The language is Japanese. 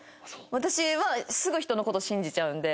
私はすぐ人の事信じちゃうんで。